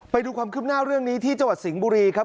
ไปดูความคืบหน้าเรื่องนี้ที่จังหวัดสิงห์บุรีครับ